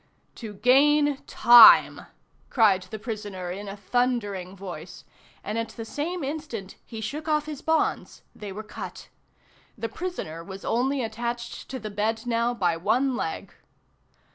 "To gain time!" cried the prisoner in a thundering voice, and at the same instant he shook off his bonds; they were cut. The prisoner was only attached to the bed now by one leg.